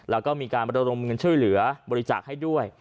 แล้วก็มีการระดมเงินช่วยเหลือบริจาคให้ด้วย